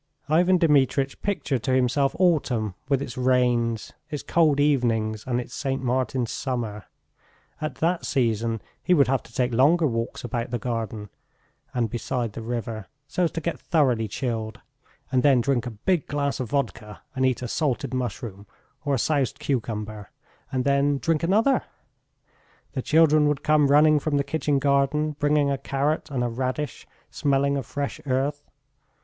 Ivan Dmitritch pictured to himself autumn with its rains, its cold evenings, and its St. Martin's summer. At that season he would have to take longer walks about the garden and beside the river, so as to get thoroughly chilled, and then drink a big glass of vodka and eat a salted mushroom or a soused cucumber, and then drink another.... The children would come running from the kitchen garden, bringing a carrot and a radish smelling of fresh earth....